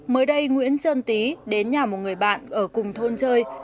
mới đây nguyễn trơn tý đến nhà một người bạn ở cùng thôn chơi